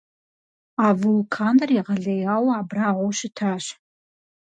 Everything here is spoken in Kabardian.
А вулканыр егъэлеяуэ абрагъуэу щытащ.